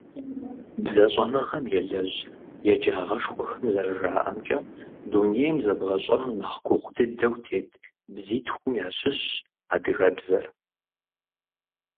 БзэщӀэныгъэм елэжь еджагъэшхуэхэм зэрыжаӀэмкӀэ, дунейм зэбгъэщӀэну нэхъ гугъу дыдэу тет бзитхум ящыщщ адыгэбзэр.